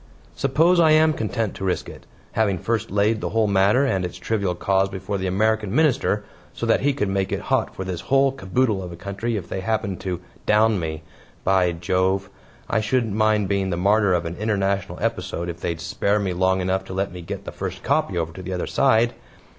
"Suppose I am content to risk it having first laid the whole matter and its trivial cause before the American Minister, so that he could make it hot for this whole caboodle of a country if they happened to 'down me.' By Jove! I shouldn't mind being the martyr of an international episode if they'd spare me long enough to let me get the first 'copy' over to the other side."